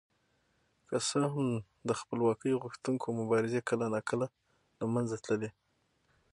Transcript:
که څه هم د خپلواکۍ غوښتونکو مبارزې کله ناکله له منځه تللې.